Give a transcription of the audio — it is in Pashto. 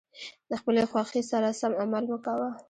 د خپلې خوښې سره سم عمل مه کوه.